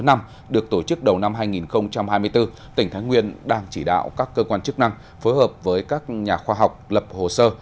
năm hai nghìn hai mươi bốn tỉnh thái nguyên đang chỉ đạo các cơ quan chức năng phối hợp với các nhà khoa học lập hồ sơ